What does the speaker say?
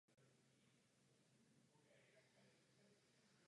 Podle archeologických nálezů byla tato oblast osídlena již v období neolitu.